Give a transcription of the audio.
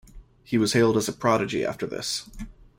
He was hailed as a prodigy after this.